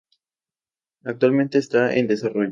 Actualmente está en desarrollo.